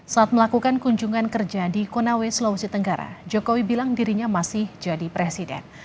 saat melakukan kunjungan kerja di konawe sulawesi tenggara jokowi bilang dirinya masih jadi presiden